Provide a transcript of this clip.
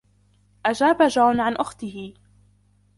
أجاب جون عن أخته.